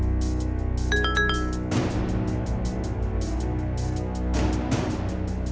gue mau liat tuh